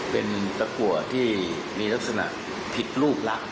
เป็นตะกัวที่มีลักษณะผิดรูปลักษณ์